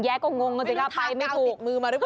แย๊ก็งงก็ปายไม่ถูก